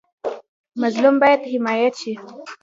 مظلوم باید حمایت شي